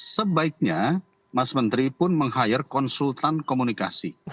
sebaiknya mas menteri pun meng hire konsultan komunikasi